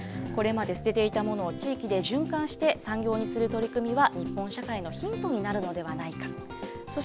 これまで捨てていたものを地域で循環して、産業にする取り組みは、日本社会のヒントになるのではないかと。